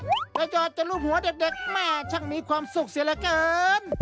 หรือได้ยอดเป็นลูกหัวเด็กแม่ช่างมีความสุขเสียเหลือเกิน